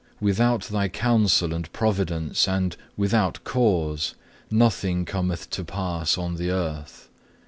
Without Thy counsel and providence, and without cause, nothing cometh to pass on the earth.